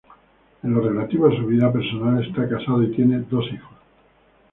En lo relativo a su vida personal está casado y tiene dos hijos.